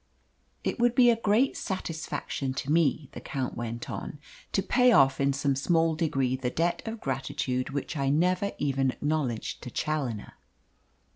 "It would be a great satisfaction to me," the Count went on, "to pay off in some small degree the debt of gratitude which I never even acknowledged to Challoner.